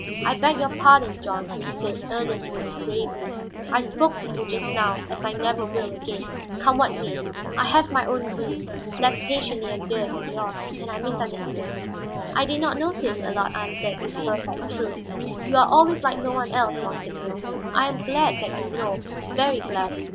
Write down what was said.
"I beg your pardon, John," he said earnestly and gravely. "I spoke to you just now as I never will again, come what may. I have my own griefs, less patiently endured than yours; and I misunderstood." "I did not notice," Allard answered, with perfect truth. "You are always like no one else, monseigneur. I am glad that you know, very glad.